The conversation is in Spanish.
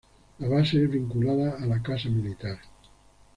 La base es vinculada a la Casa militar.